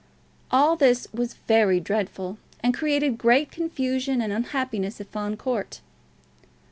All this was very dreadful, and created great confusion and unhappiness at Fawn Court.